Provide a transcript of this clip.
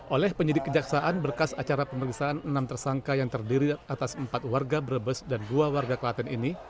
oleh penyidik kejaksaan berkas acara pemeriksaan enam tersangka yang terdiri atas empat warga brebes dan dua warga kelaten ini